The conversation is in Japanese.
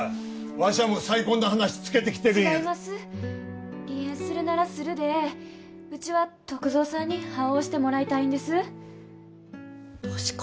わしはもう再婚の話つけてきて違います離縁するならするでええうちは篤蔵さんに判を押してもらいたいんです俊子